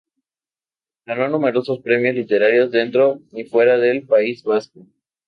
Ganó numerosos premios literarios dentro y fuera del País Vasco.